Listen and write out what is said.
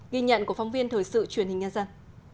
ghi nhận của phóng viên thời sự truyền hình nhân dân